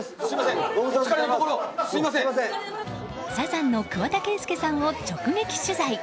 サザンの桑田佳祐さんを直撃取材。